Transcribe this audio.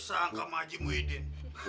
sangka sama haji muhyiddin